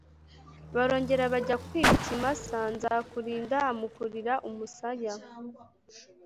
Barongera bajya kwiba, ikimasa, Nzikurinda amukurira umusaya